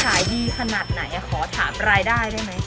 ขายดีขนาดไหนขอถามรายได้ได้ไหม